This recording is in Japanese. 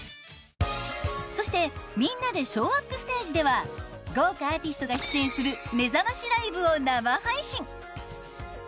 そして、みんなでＳＨＯＷＵＰステージでは豪華アーティストが出演するめざましライブを生配信！